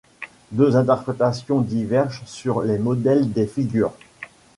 Deux interprétations divergent sur les modèles des figures.